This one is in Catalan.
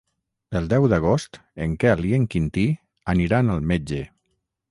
El deu d'agost en Quel i en Quintí aniran al metge.